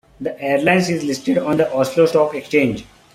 The airline is listed on the Oslo Stock Exchange.